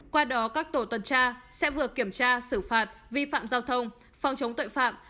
qua đó các tổ tuần tra sẽ vừa kiểm tra xử phạt vi phạm giao thông phòng chống tội phạm